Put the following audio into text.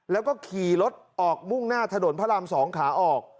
แล้วก็ขี่รถออกมุ่งหน้าถนนพระราม๒ขาออก